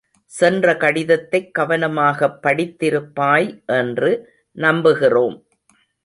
சென்ற கடிதத்தைக் கவனமாகப் படித்திருப்பாய் என்று நம்புகின்றோம்.